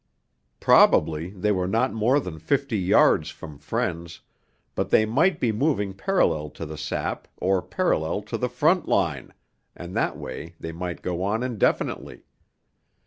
Probably they were not more than fifty yards from friends, but they might be moving parallel to the sap or parallel to the front line, and that way they might go on indefinitely.